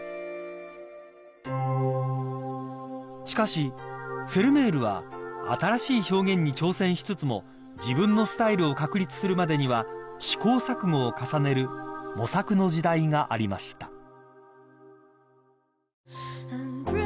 ［しかしフェルメールは新しい表現に挑戦しつつも自分のスタイルを確立するまでには試行錯誤を重ねる模索の時代がありました］